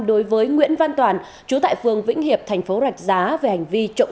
đối với nguyễn văn toàn chú tại phường vĩnh hiệp thành phố đà nẵng